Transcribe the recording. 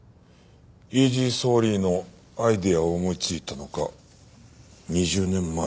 イージーソーリーのアイデアを思いついたのが２０年前。